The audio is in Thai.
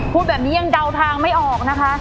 พูดแบบนี้ยังเดาทางไม่ออกนะคะ